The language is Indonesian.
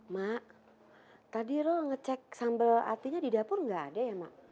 mak tadi roh ngecek sambal artinya di dapur nggak ada ya mak